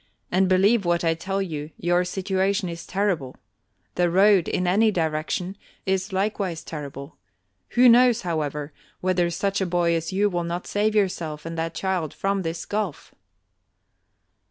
And believe what I tell you: your situation is terrible; the road, in any direction, is likewise terrible; who knows, however, whether such a boy as you will not save yourself and that child from this gulf."